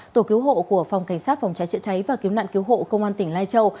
tổ cứu hộ của phòng cảnh sát phòng cháy chữa cháy và cứu nạn cứu hộ công an tỉnh lai châu